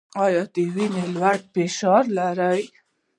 ایا د وینې لوړ فشار لرئ؟